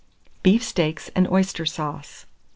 BEEF STEAKS AND OYSTER SAUCE.